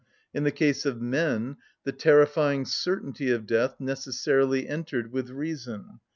In the case of men the terrifying certainty of death necessarily entered with reason.